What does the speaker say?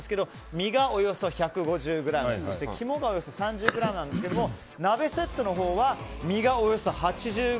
身がおよそ１５０ｇそして肝がおよそ３０ｇなんですが鍋セットのほうは身がおよそ８０ｇ。